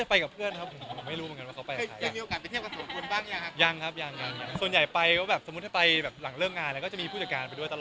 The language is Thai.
ผ่านเท่าเท่าที่มีเด็กเท่าชีวิต